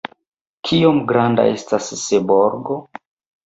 Kiom granda estas Seborgo?